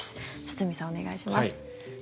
堤さん、お願いします。